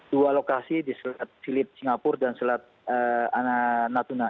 dua lokasi di selat philip singapura dan selat natuna